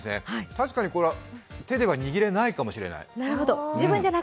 確かにこれは手では握れないかもしれない。